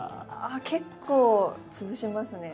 あ結構潰しますね。